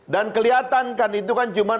dan kelihatan kan itu kan cuma